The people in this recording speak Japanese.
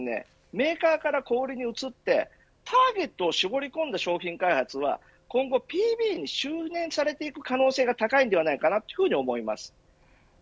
メーカーから小売りに移ってターゲットを絞り込んだ商品開発は今後ＰＢに収れんされていく可能性が高いんじゃないかなというふうに思います。